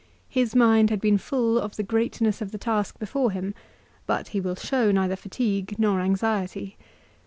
His mind had been full of the greatness of the task before him, but he will show neither fatigue nor anxiety.